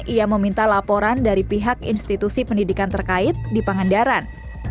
ia meminta laporan dari pihak institusi pendidikan terkait di pangandaran